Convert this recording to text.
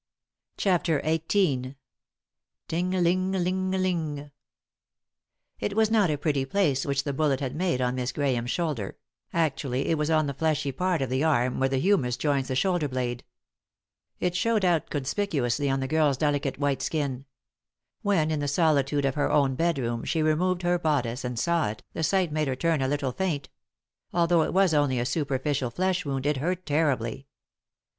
184 3i 9 iii^d by Google CHAPTER XVIII " TING LING LING LING " It was not a pretty place which the bullet had made on Miss Grabame's shoulder — actually it was ou the fleshy part of the aim where the humerus joins the shoulder blade. It showed out conspicuously on the girl's delicate white skin. When, in the solitude of her own bedroom, she removed her bodice and saw it, the sight made her turn a little feint. Al though it was only a superficial flesh wound it hurt terribly.